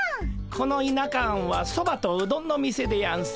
この田舎庵はそばとうどんの店でやんす。